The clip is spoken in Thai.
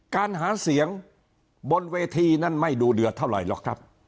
การหาเสียงบนเวทีนั้นไม่ดูเดือดเท่าไหร่หรอกครับ